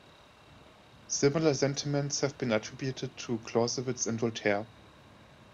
Similar sentiments have been attributed to Clausewitz and Voltaire.